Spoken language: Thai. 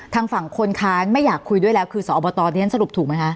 ทางฝั่งคนค้านไม่อยากคุยด้วยแล้วคือสอบตเรียนสรุปถูกไหมคะ